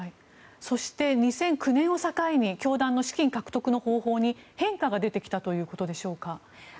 そして、２００９年を境に教団の資金獲得の方法に変化が出てきたということでしょうか。